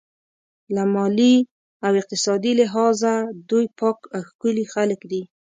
له مالي او اقتصادي لحاظه دوی پاک او ښکلي خلک دي.